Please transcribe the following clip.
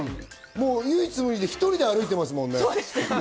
唯一無二で１人で歩いてますもんね。